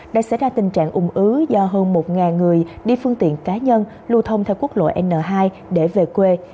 đã xảy ra tình trạng ủng ứ do hơn một người đi phương tiện cá nhân lưu thông theo quốc lộ n hai để về quê